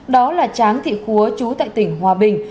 đó là tráng thị khuấa chú tại tỉnh hòa bình